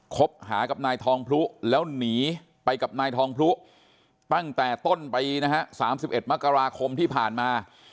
คบหากับนายทองพลุแล้วหนีไปกับนายทองพลุตั้งแต่ต้นไปนะฮะ๓๑มกราคมที่ผ่านมา